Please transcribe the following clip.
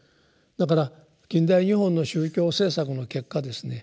だから近代日本の宗教政策の結果ですね